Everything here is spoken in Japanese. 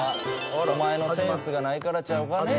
お前の「センス」がないからちゃうかね？